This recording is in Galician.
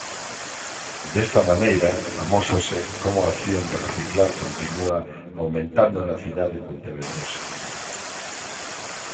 Desta maneira, amósase como a acción de reciclar continúa aumentando na cidade pontevedresa.